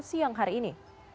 siang hari ini